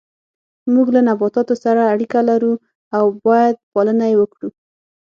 موږ له نباتاتو سره اړیکه لرو او باید پالنه یې وکړو